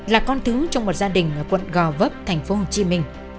là con thứ trong một gia đình ở quận gò vấp tp hcm